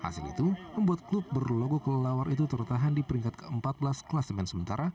hasil itu membuat klub berlogo kelelawar itu tertahan di peringkat ke empat belas klasemen sementara